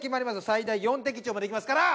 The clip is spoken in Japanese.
最大４的中までいきますから。